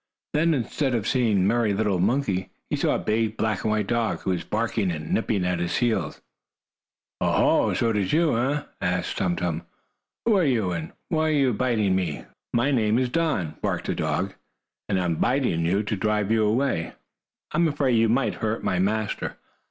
Then, instead of seeing the merry little monkey, he saw a big black and white dog, who was barking and nipping at his heels. "Oh, ho! So it is you, eh?" asked Tum Tum. "Who are you, and what are you biting me for?" "My name is Don," barked the dog, "and I am biting you to drive you away. I am afraid you might hurt my master.